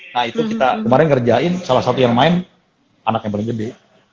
nah itu kita kemarin ngerjain salah satu yang main anak yang paling gede